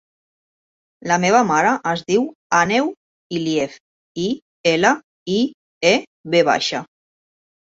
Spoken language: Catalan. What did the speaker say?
La meva mare es diu Àneu Iliev: i, ela, i, e, ve baixa.